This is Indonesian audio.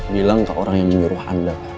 bilang ke orang yang menyuruh anda